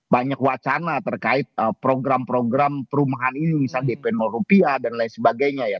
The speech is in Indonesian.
banyak wacana terkait program program perumahan ini misalnya dp rupiah dan lain sebagainya ya